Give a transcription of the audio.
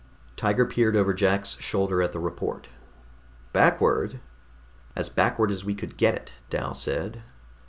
Tiger peered over Jack's shoulder at the report. "Backward?" "As backward as we could get it," Dal said.